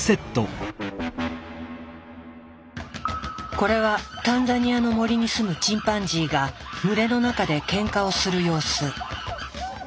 これはタンザニアの森に住むチンパンジーが群れの中でケンカをする様子。